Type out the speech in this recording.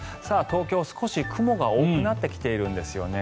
東京、少し雲が多くなってきているんですよね。